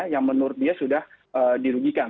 yang menurut dia sudah dirugikan